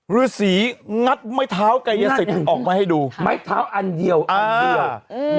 ฤษีงัดไม้เท้ากายสิทธิ์ออกมาให้ดูไม้เท้าอันเดียวอันเดียว